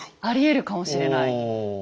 ありえるかもしれない。